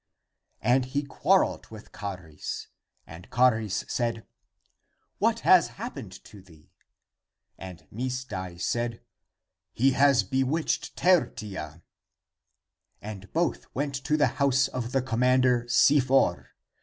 " And he quar reled with Charis, and Charis said, " What has happened to thee?" And Misdai said, "He has bewitched Tertia !" And both went to the house of the commander Si for.